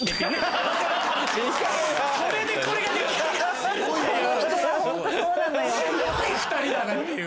すごい２人だなっていう。